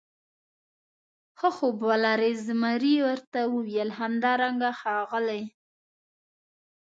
ښه خوب ولرې، زمري ورته وویل: همدارنګه ښاغلی.